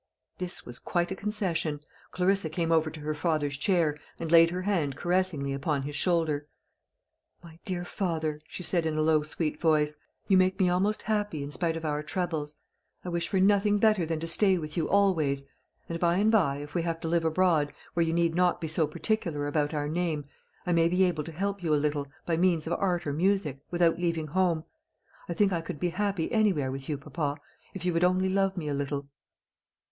This was quite a concession. Clarissa came over to her father's chair, and laid her hand caressingly upon his shoulder. "My dear father," she said in a low sweet voice, "you make me almost happy, in spite of our troubles. I wish for nothing better than to stay with you always. And by and by, if we have to live abroad, where you need not be so particular about our name, I may be able to help you a little by means of art or music without leaving home. I think I could be happy anywhere with you, papa, if you would only love me a little."